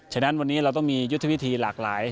ฉะนั้นวันนี้เราต้องมียุทธวิธีหลากหลาย